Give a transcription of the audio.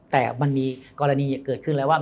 แต่มันมีกรณีเกิดขึ้นแล้วว่า